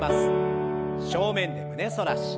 正面で胸反らし。